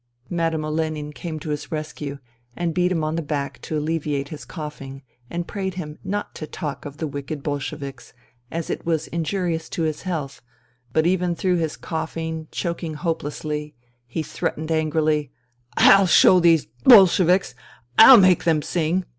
Madame Olenin came to his rescue and beat him on the back to alleviate his coughing and prayed him not to talk of the wicked Bolsheviks as it was injurious to his health, but even through his coughing, choking hopelessly, he threatened angrily :" I'll show these Bolsheviks I I'll make them sing 1 .